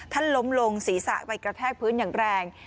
ล้มลงศีรษะไปกระแทกพื้นอย่างแรง